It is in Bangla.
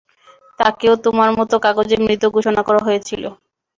তাকেও তোমার মতো কাগজে মৃত ঘোষণা করা হয়েছিলো।